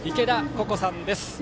ここさんです。